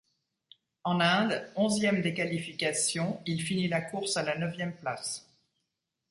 En Inde, onzième des qualifications, il finit la course à la neuvième place.